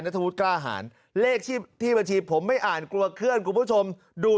ธวุฒิกล้าหารเลขที่ที่บัญชีผมไม่อ่านกลัวเคลื่อนคุณผู้ชมดู